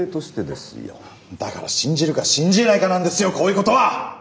だから信じるか信じないかなんですよこういうことは！